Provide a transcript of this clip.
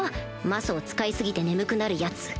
魔素を使い過ぎて眠くなるやつ